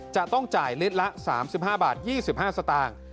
จะต้องจ่ายลิตรละ๓๕บาท๒๕สตางค์